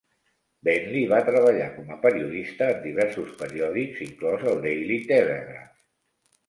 Bentley va treballar com a periodista en diversos periòdics, inclòs el "Daily Telegraph".